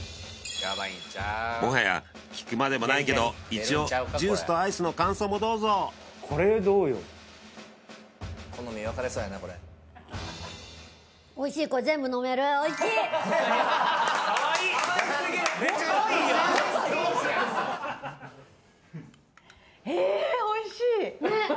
もはや聞くまでもないけど一応ジュースとアイスの感想もどうぞおいしいねっ！